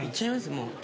もう。